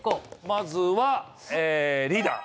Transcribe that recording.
まずはえーリーダー